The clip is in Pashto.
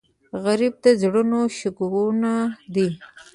غریب د زړونو شګونه دی